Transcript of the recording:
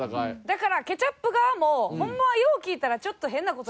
だからケチャップ側もホンマはよう聞いたらちょっと変な事。